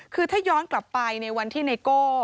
คือถ้าย้อนกลับไปในวันที่ไนโก้